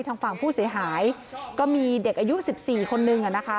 ทางฝั่งผู้เสียหายก็มีเด็กอายุ๑๔คนนึง